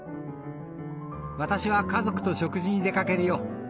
私は家族と食事に出かけるよ。